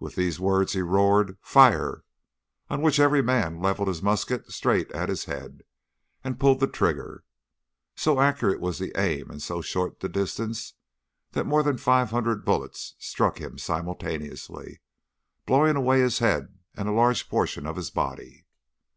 With these words he roared 'Fire!' on which every man levelled his musket straight at his head and pulled the trigger. So accurate was the aim and so short the distance, that more than five hundred bullets struck him simultaneously, blowing away his head and a large portion of his body.